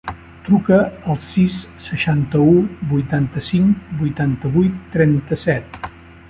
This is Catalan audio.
Truca al sis, seixanta-u, vuitanta-cinc, vuitanta-vuit, trenta-set.